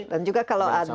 dan juga kalau ada